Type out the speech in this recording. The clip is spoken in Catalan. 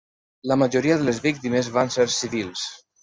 La majoria de les víctimes van ser civils.